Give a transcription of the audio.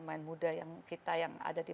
pemain muda yang kita yang ada di